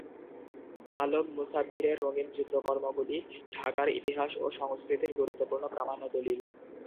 আলম মুসাববীরের রঙিন চিত্রকর্মগুলি ঢাকার ইতিহাস ও সংস্কৃতির গুরুত্বপূর্ণ প্রামাণ্য দলিল।